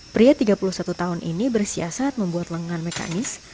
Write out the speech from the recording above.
pria tiga puluh satu tahun ini bersiasat membuat lengan mekanis